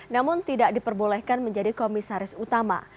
namun tidak diperbolehkan menjadi komisaris utama